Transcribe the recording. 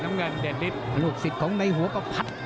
การลุกศิลป์ในหัวก็พัด